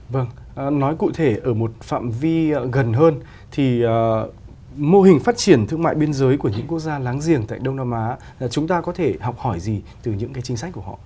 vâng nói cụ thể ở một phạm vi gần hơn thì mô hình phát triển thương mại biên giới của những quốc gia láng giềng tại đông nam á chúng ta có thể học hỏi gì từ những cái chính sách của họ